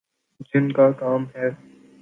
جن کا کام ہے۔